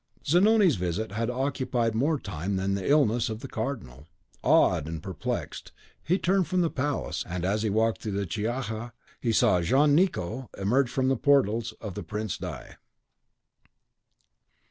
Zanoni's visit had occupied more time than the illness of the Cardinal. Awed and perplexed, he turned from the palace, and as he walked through the Chiaja, he saw Jean Nicot emerge from the portals of the Prince di